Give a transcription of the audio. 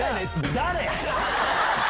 誰？